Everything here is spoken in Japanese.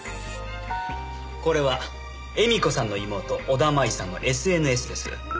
これは絵美子さんの妹小田麻衣さんのＳＮＳです。